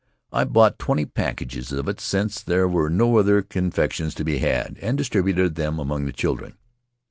I bought twenty packages of it, since there were no other con fections to be had, and distributed them among the children.